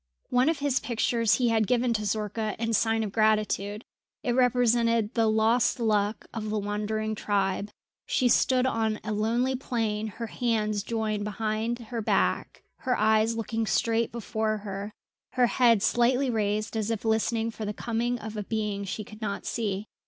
One of his pictures he had given to Zorka in sign of gratitude. It represented the lost Luck of the wandering tribe. She stood on a lonely plain, her hands joined behind her back, her eyes looking straight before her, her head slightly raised as if listening for the coming of a being she could not see.